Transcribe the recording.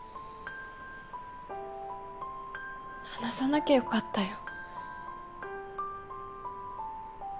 話さなきゃよかったよ。